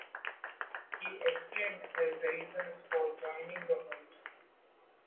He explained his reasons for joining the Hoops.